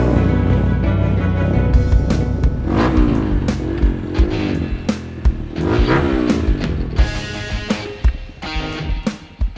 sampai jumpa di video selanjutnya